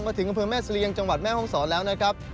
มาถึงอำเภอแม่สะเลียงจังหวัดแม่ฮองศรแล้วนะครับ